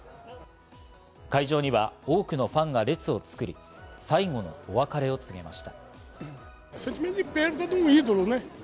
会場には多くのファンが列を作り、最後のお別れを告げました。